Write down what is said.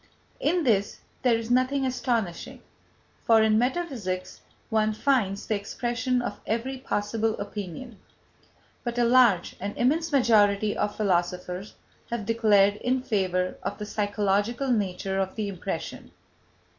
In this there is nothing astonishing, for in metaphysics one finds the expression of every possible opinion. But a large, an immense majority of philosophers has declared in favour of the psychological nature of the impression.